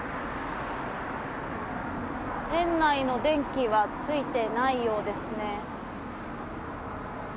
店内の電気はついてないようですね。